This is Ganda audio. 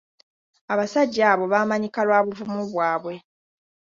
Abasajja abo baamanyika lwa buvumu bwabwe.